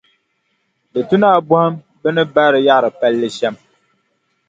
Di tu ni a bɔhim bɛ ni baari yaɣiri palli shɛm.